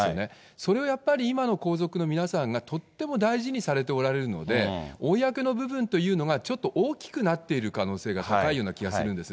それをやっぱり今の皇族の皆さんがとっても大事にされておられるので、公の部分というのが、ちょっと大きくなっている可能性が高いような気がするんです。